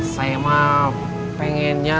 saya mah pengennya